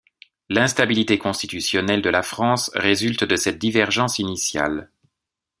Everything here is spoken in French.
L’instabilité constitutionnelle de la France résulte de cette divergence initiale.